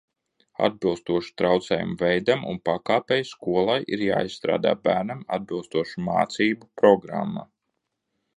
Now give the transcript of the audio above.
Atbilstoši traucējumu veidam un pakāpei, skolai ir jāizstrādā bērnam atbilstoša mācību programma.